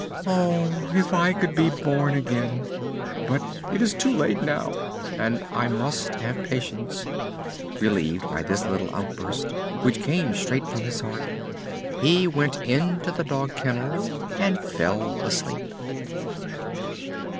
Oh, if I could be born again! But now it is too late and I must have patience!" Relieved by this little outburst, which came straight from his heart, he went into the dog kennel and fell asleep.